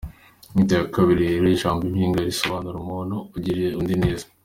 Inyito ya kabiri rero y’ijambo impinga isobanura ‘umuntu ugirira undi neza’.